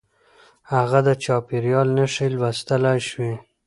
هغه د چاپېريال نښې لوستلای شوې.